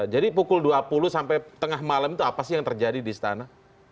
jadi pukul dua puluh sampai tengah malam itu apa sih yang terjadi di istana